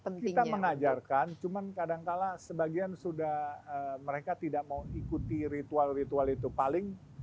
kita mengajarkan cuman kadangkala sebagian sudah mereka tidak mau ikuti ritual ritual itu paling